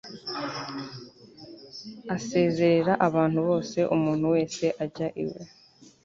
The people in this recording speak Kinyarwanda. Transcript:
asezerera abantu bose umuntu wese ajya iwe